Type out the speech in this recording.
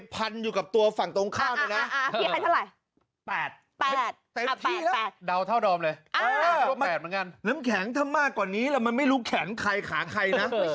โปรดติดตามตอนต่อไป